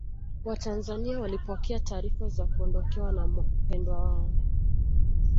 watanzania walipokea taarifa za kuondokewa na mpendwa wao